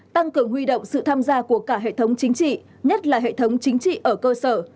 tăng cường huy động sự tham gia của cả hệ thống chính trị nhất là hệ thống chính trị ở cơ sở